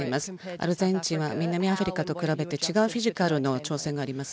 アルゼンチンは南アフリカと比べて違うフィジカルの挑戦があります。